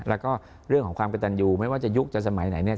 แล้วก็เรื่องของความกระตันยูไม่ว่าจะยุคจะสมัยไหนเนี่ย